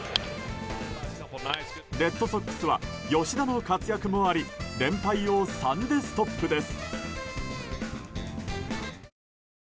レッドソックスは吉田の活躍もあり連敗を３でストップです。